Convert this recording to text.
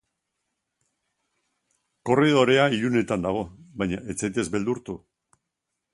Korridorea ilunetan dago, baina ez zaitez beldurtu.